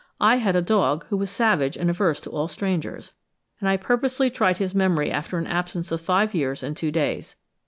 I had a dog who was savage and averse to all strangers, and I purposely tried his memory after an absence of five years and two days.